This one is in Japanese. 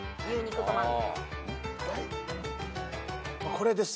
これです